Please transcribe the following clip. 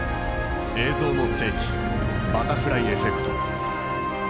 「映像の世紀バタフライエフェクト」。